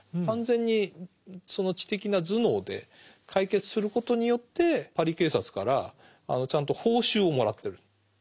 完全にその知的な頭脳で解決することによってパリ警察からちゃんと報酬をもらってる。